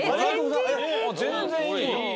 全然いい。